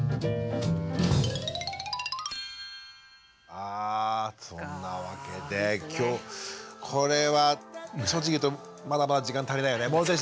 さあそんなわけで今日これは正直言うとまだまだ時間足りないよね。